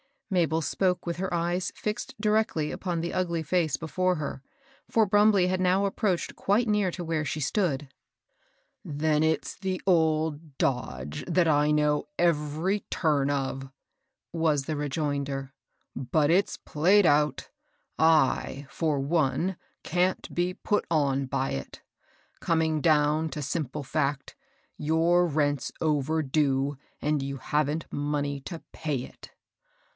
Mabel spoke with her eye fixed directly upon the ugly fece before her ; for Brumbley had now approached quite near to where she stood. ANOTHER VISITOR. 829 " Then it'3 the old dodge, that I know every turn of," was the rejoinder. " But it's played out,' J, for one, can't be put on by it. Coming down to simple fact, your rent's over due, and you haven't money to pay it."